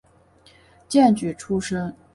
荐举出身。